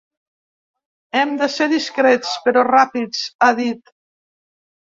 “Hem de ser discrets, però ràpids”, ha dit.